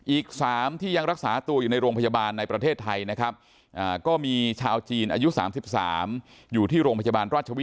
อีก๓ที่ยังรักษาตัวอยู่ในโรงพยาบาลในประเทศไทยนะครับ